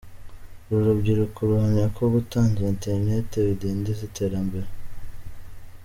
Uru rubyiruko ruhamya ko kutagira internet bidindiza iterambere.